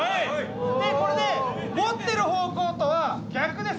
でこれで持ってる方向とは逆です。